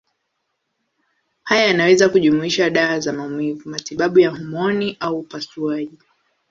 Haya yanaweza kujumuisha dawa za maumivu, matibabu ya homoni au upasuaji.